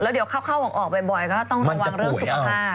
เดี๋ยวเข้าออกบ่อยก็ต้องระวังเรื่องสุขภาพ